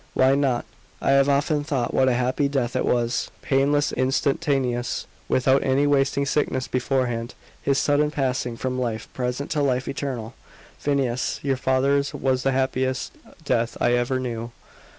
"Why not? I have often thought what a happy death it was painless, instantaneous, without any wasting sickness beforehand his sudden passing from life present to life eternal. Phineas, your father's was the happiest death I ever knew."